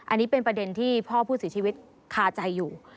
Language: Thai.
อันนี้เป็นประเด็นที่พ่อผู้เสียชีวิตคาใจอยู่